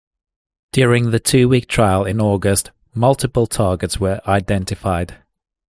During the two-week trial in August, multiple targets were identified.